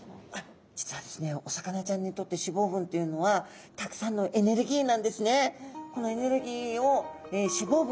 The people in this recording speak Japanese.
実はですねお魚ちゃんにとって脂肪分というのはたくさんのエネルギーなんですね。